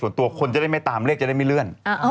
คนจะได้ไม่ตามเลขจะได้ไม่เลื่อน